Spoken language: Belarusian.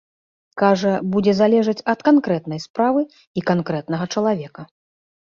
Кажа, будзе залежаць ад канкрэтнай справы і канкрэтнага чалавека.